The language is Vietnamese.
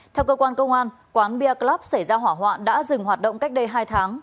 theo cơ quan công an quán bia club xảy ra hỏa hoạn đã dừng hoạt động cách đây hai tháng